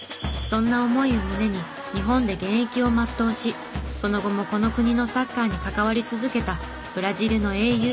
そんな思いを胸に日本で現役を全うしその後もこの国のサッカーに関わり続けたブラジルの英雄。